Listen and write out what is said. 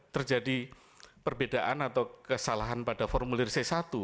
terjadi perbedaan atau kesalahan pada formulir c satu